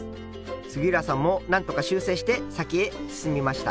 杉浦さんもなんとか修正して先へ進みました。